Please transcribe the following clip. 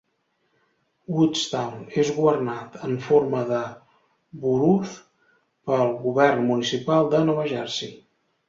Woodstown és governat en forma de "borough" pel govern municipal de Nova Jersey.